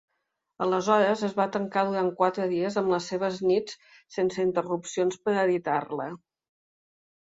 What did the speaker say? Aleshores es va tancar durant quatre dies amb les seves nits sense interrupcions per editar-la.